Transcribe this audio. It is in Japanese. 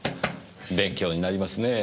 勉強になりますねぇ。